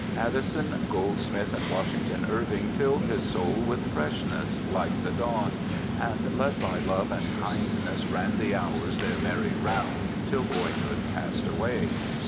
Addison, Gold smith, and Washington Irving filled his soul with freshness Hke the dawn. And led by love and kindness, ran the hours Their merry round till boyhood passed away.